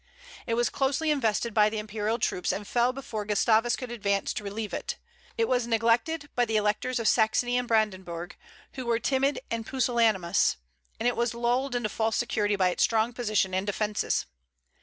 It was closely invested by the imperial troops, and fell before Gustavus could advance to relieve it. It was neglected by the electors of Saxony and Brandenburg, who were timid and pusillanimous, and it was lulled into false security by its strong position and defences.